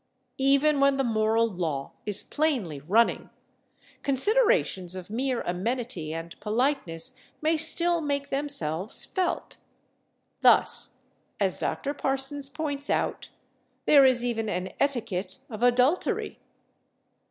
Even when the moral law is plainly running, considerations of mere amenity and politeness may still make themselves felt. Thus, as Dr. Parsons points out, there is even an etiquette of adultery.